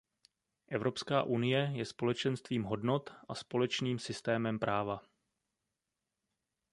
Evropská unie je společenstvím hodnot a společným systémem práva.